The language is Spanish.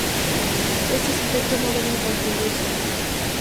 Estos efectos no deben confundirse.